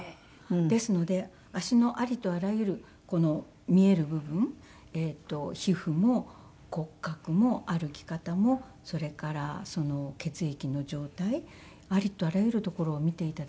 ですので足のありとあらゆる見える部分皮膚も骨格も歩き方もそれから血液の状態ありとあらゆる所を見て頂いて。